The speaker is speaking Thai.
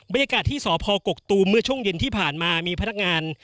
บรรยากาศที่สพกกตูมเมื่อช่วงเย็นที่ผ่านมามีพนักงาน